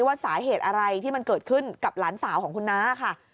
ว่าสาเหตุอะไรที่มันเกิดขึ้นกับหลานสาวของคุณน้าค่ะ